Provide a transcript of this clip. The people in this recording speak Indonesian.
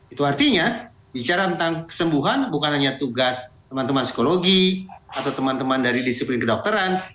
itu artinya bicara tentang kesembuhan bukan hanya tugas teman teman psikologi atau teman teman dari disiplin kedokteran